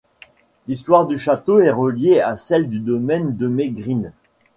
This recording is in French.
L'histoire du château est reliée à celle du domaine de Mégrine.